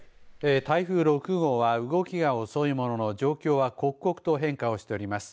台風６号は動きが遅いものの状況は刻々と変化をしております。